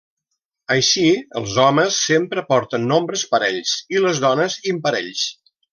Així, els homes sempre porten nombres parells i les dones imparells.